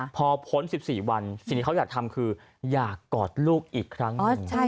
พอพ้น๑๔วันสิ่งที่เขาอยากทำคืออยากกอดลูกอีกครั้งหนึ่ง